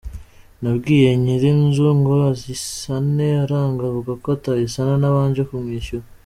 Nabwiye nyirinzu ngo ayisane aranga avuga ko atayisana ntabanje kumwishyura.